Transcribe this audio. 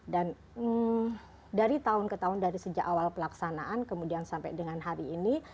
dan dari tahun ke tahun dari sejak awal pelaksanaan kemudian sampai dengan hari ini